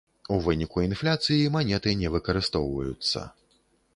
У выніку інфляцыі манеты не выкарыстоўваюцца.